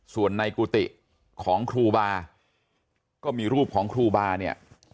ส่วนในกุฏิของครูบาก็มีรูปของครูบาเนี่ย